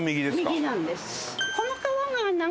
右なんです。